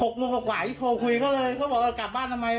โมงกว่าที่โทรคุยก็เลยเขาบอกว่ากลับบ้านทำไม